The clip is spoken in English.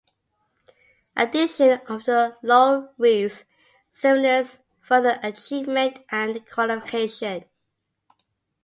Addition of the laurel wreaths signifies further achievement and qualification.